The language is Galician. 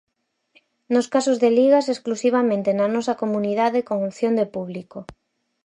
Nos casos de ligas exclusivamente na nosa comunidade con opción de público.